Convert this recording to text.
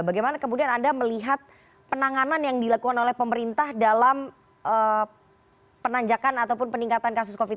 bagaimana kemudian anda melihat penanganan yang dilakukan oleh pemerintah dalam penanjakan ataupun peningkatan kasus covid sembilan belas